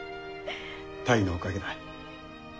泰のおかげだ。